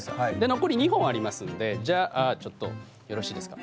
残り２本ありますんでじゃあちょっとよろしいですか？